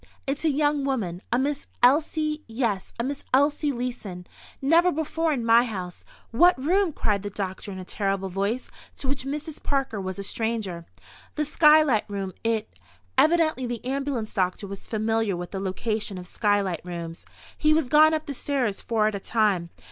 It's a young woman, a Miss Elsie—yes, a Miss Elsie Leeson. Never before in my house—" "What room?" cried the doctor in a terrible voice, to which Mrs. Parker was a stranger. "The skylight room. It—" Evidently the ambulance doctor was familiar with the location of skylight rooms. He was gone up the stairs, four at a time.